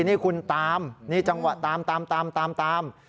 นี่คุณตามนี่จังหวะตามตาม